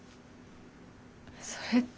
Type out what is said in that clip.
それって。